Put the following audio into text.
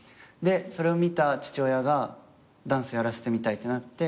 それを見た父親がダンスやらせてみたいってなって。